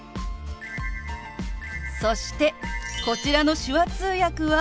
そしてこちらの手話通訳は。